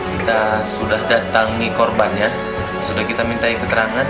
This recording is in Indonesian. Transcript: kita sudah datangi korbannya sudah kita minta ikut terangkan